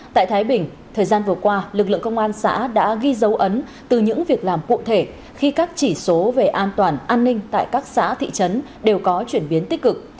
tại thái bình thời gian vừa qua lực lượng công an xã đã ghi dấu ấn từ những việc làm cụ thể khi các chỉ số về an toàn an ninh tại các xã thị trấn đều có chuyển biến tích cực